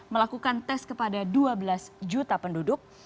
melakukan tes kepada dua belas juta penduduk